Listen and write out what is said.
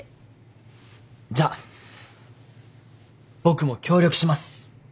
じゃあ僕も協力します。